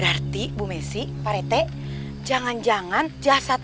aku akan menganggap